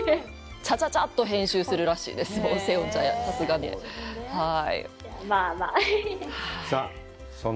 チャチャチャッと編集するらしいですよ、セヨンちゃん。